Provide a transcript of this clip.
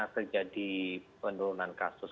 terjadi penurunan kasus